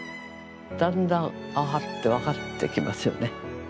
だんだんああって分かってきますよね。